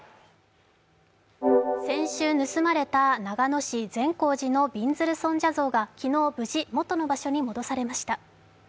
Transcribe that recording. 先週盗まれた長野市善光寺のびんずる尊者像が昨日、無事、元の場所に戻されました。